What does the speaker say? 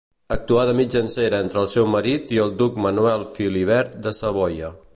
Actuà de mitjancera entre el seu marit i el duc Manuel Filibert de Savoia.